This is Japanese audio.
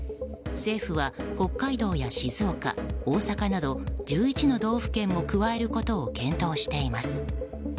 政府は北海道や静岡、大阪など１１の道府県を加えることを検討しています。